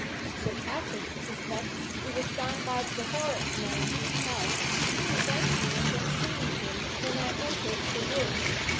Sir Patrick suspects it was done by the horrid man himself, to prevent me from seeing him when I entered the room.